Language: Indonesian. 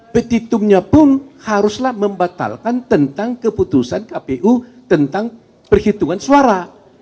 petitumnya pun haruslah membatalkan tentang keputusan kpu tentang perhitungan suara